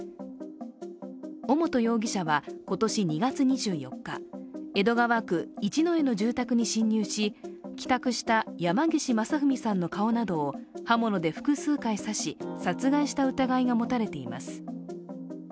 尾本容疑者は今年２月２４日、江戸川区一之江の住宅に侵入し帰宅した山岸正文さんの顔などを刃物で複数回刺し、殺害した疑いが持たれています。